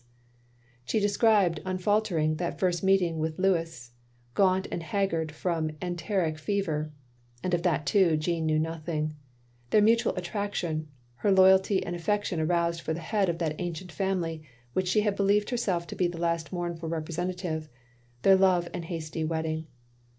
OF GROSVENOR SQUARE 345 She described, unfaltering, that first meeting with Louis, gatint and haggard from enteric fever (and of that, too, Jeanne knew nothing); their mutual attraction; her loyalty and af fection aroused for the head of that ancient family, of which she had believed herself to be the last motimful representative; their love and hasty wedding.